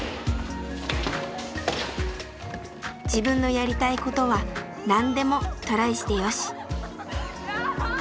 自分のやりたいことは何でもトライしてよし。